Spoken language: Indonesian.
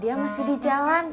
dia masih di jalan